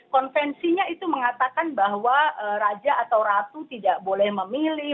konvensinya itu mengatakan bahwa raja atau ratu tidak boleh memilih